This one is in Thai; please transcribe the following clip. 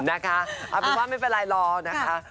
เอาเป็นว่าไม่เป็นไรรอนะคะ